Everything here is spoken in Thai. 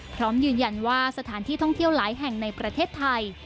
พร้อมยืนยันว่าสถานที่ท่องเที่ยวหลายแห่งในประเทศไทย